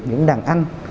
những đàn anh